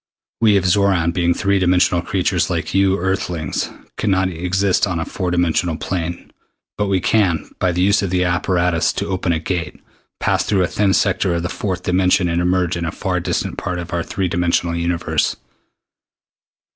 We of Xoran, being three dimensional creatures like you Earthlings, can not even exist on a four dimensional plane. But we can, by the use of apparatus to open a Gate, pass through a thin sector of the fourth dimension and emerge in a far distant part of our three dimensional universe.